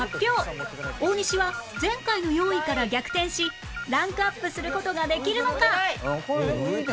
大西は前回の４位から逆転しランクアップする事ができるのか？